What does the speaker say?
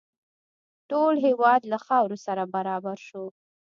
ټول هېواد له خاورو سره برابر شو.